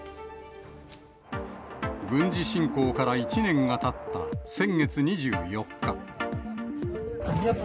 軍事侵攻から１年がたった先月２４日。